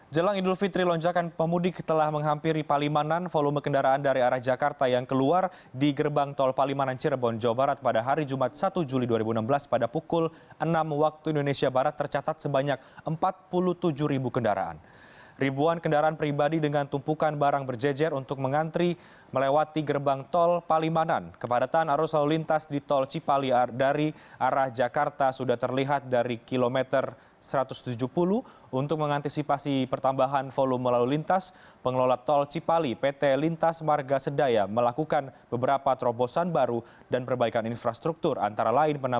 jalan idul fitri